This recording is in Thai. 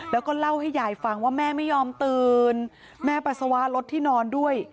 แล้วก็เล่าให้ยายฟังว่าแม่ไม่ยอมตื่นแม่ปัสสาวะรถที่นอนด้วย